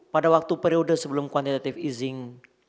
pada waktu periode sebelum kuantitative easing